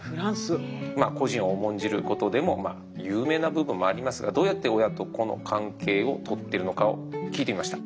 個人を重んじることでも有名な部分もありますがどうやって親と子の関係をとっているのかを聞いてみました。